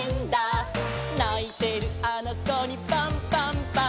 「ないてるあのこにパンパンパン」